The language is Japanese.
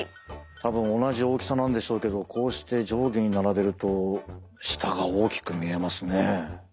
多分同じ大きさなんでしょうけどこうして上下に並べると下が大きく見えますね。